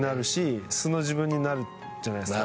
素の自分になるじゃないですか。